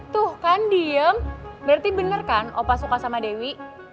tuh kan diem berarti bener kan opa suka sama dewi